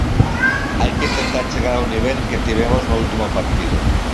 Hai que intentar chegar ao nivel que tivemos no último partido.